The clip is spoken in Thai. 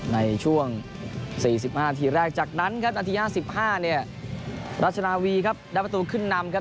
ในช่วง๔๕นาทีแรกจากนั้นครับนาที๕๕เนี่ยรัชนาวีครับได้ประตูขึ้นนำครับ